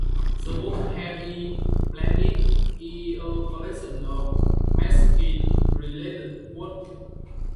The book "Heavy Planet" is a collection of Mesklin-related works.